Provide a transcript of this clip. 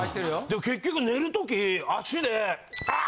でも結局寝る時足であ！